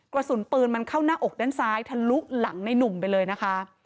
กระสุนปืนมันเข้าหน้าอกด้านซ้ายทะลุหลังในหนุ่มไปเลยนะคะ